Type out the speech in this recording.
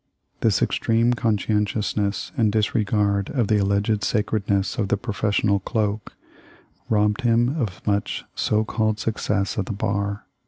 This extreme conscien tiousness and disregard of the alleged sacredness of the professional cloak robbed him of much so called success at the bar.